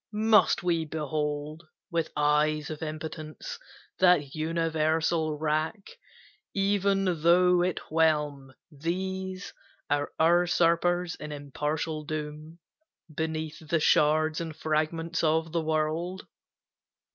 Must we behold, with eyes of impotence That universal wrack, even though it whelm These our usurpers in impartial doom Beneath the shards and fragments of the world?